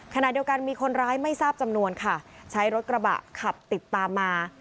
ขณะเดียวกันมีคนร้ายไม่ทราบจำนวนค่ะใช้รถกระบะขับติดตามมา